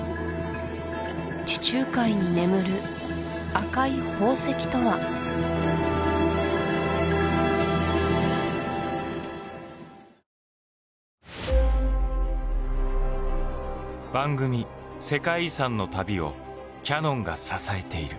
地中海に眠る赤い宝石とは番組「世界遺産」の旅をキヤノンが支えている。